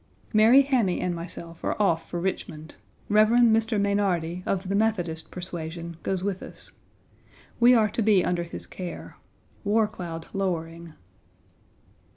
Mary Hammy and myself are off for Richmond. Rev. Mr. Meynardie, of the Methodist persuasion, goes with us. We are to be under his care. War cloud lowering.